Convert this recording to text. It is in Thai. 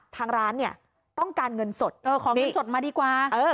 ทางร้านเนี่ยต้องการเงินสดขอเงินสดมาดีกว่า